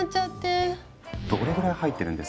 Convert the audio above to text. どれぐらい入ってるんです？